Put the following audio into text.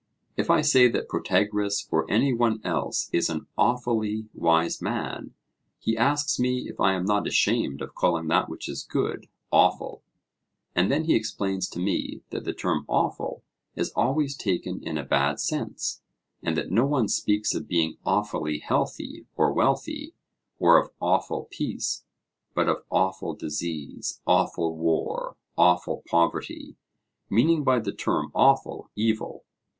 If I say that Protagoras or any one else is an 'awfully' wise man, he asks me if I am not ashamed of calling that which is good 'awful'; and then he explains to me that the term 'awful' is always taken in a bad sense, and that no one speaks of being 'awfully' healthy or wealthy, or of 'awful' peace, but of 'awful' disease, 'awful' war, 'awful' poverty, meaning by the term 'awful,' evil.